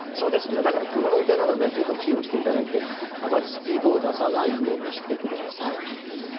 だから車の運転などね、十分注意をしていただいて、あまりスピードを出さないようにしてください。